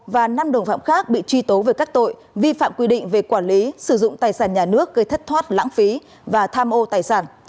và năm đồng phạm khác bị truy tố về các tội vi phạm quy định về quản lý sử dụng tài sản nhà nước gây thất thoát lãng phí và tham ô tài sản